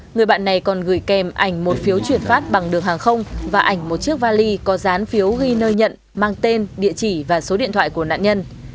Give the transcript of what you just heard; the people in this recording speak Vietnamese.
người bạn này còn gửi kèm ảnh một phiếu chuyển phát bằng đường hàng không và ảnh một chiếc vali có dán phiếu ghi nơi nhận mang tên địa chỉ và số điện thoại của nạn nhân